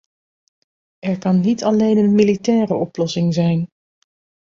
Er kan niet alleen een militaire oplossing zijn.